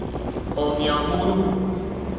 烏貓母女